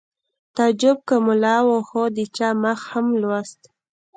تعجب که ملا و خو د چا مخ هم لوست